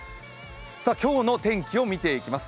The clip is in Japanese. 今日の天気を見ていきます。